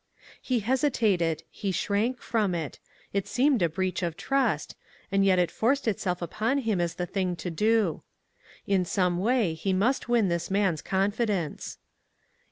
He hesitated, he shrank from it; it STORM AND CALM. 363 seemed a breach of trust, and jret it forced itself upon him as the thing to do. In some way he must win this ma'n's confidence.